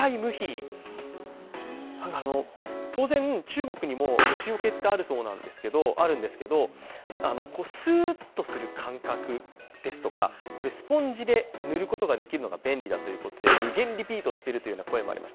当然、中国にも虫よけってあるんですけど、スーッとする感覚ですとかスポンジで塗ることができるのが便利だということで無限リピートしているという声もあります。